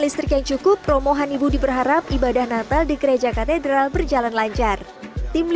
listrik yang cukup romo hanibudi berharap ibadah natal di gereja katedral berjalan lancar tim di